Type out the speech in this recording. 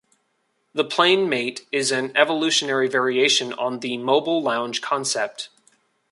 The Plane Mate is an evolutionary variation on the mobile lounge concept.